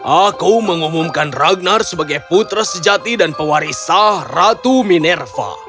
aku mengumumkan ragnar sebagai putra sejati dan pewarisah ratu minerva